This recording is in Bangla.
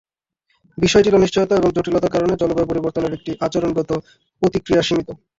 বিষয়টির অনিশ্চয়তা এবং জটিলতার কারণে জলবায়ু পরিবর্তনের প্রতি আচরণগত প্রতিক্রিয়া সীমিত।